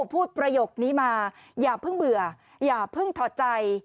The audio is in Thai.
พูดประโยคนี้มาอย่าเพิ่งเบื่ออย่าเพิ่งถอดใจ